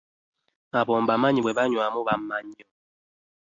Abo mbamanyi bwe banywamu baama nnyo.